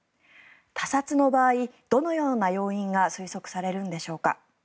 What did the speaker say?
他殺の場合、どのような要因が推測されるんでしょうか。